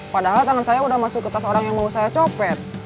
padahal tangan saya udah masuk ke tas orang yang mau saya copet